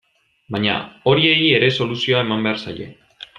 Baina horiei ere soluzioa eman behar zaie.